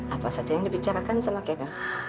apa saja yang dibicarakan sama kevin